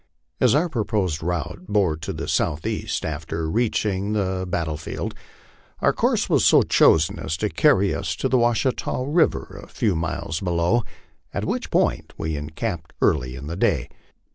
As our proposed route bore to the southeast after reaching the battle field, our course was so chosen as to carry us to the Washita river a few miles below, at which point we encamped early in the day.